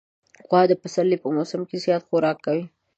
غوا د پسرلي په موسم کې زیات خوراک کوي.